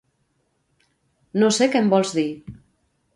No sé què em vols dir.